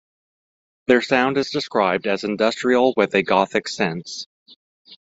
Their sound is described as "Industrial with a Gothic Sense".